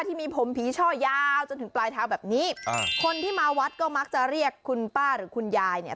ที่มีผมผีช่อยาวจนถึงปลายเท้าแบบนี้อ่าคนที่มาวัดก็มักจะเรียกคุณป้าหรือคุณยายเนี่ย